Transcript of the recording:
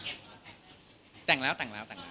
อันนี้เก็บหรือแต่งแล้วแต่งแล้วแต่งแล้ว